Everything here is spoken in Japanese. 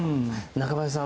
中林さん